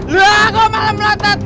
lah gua malah meletak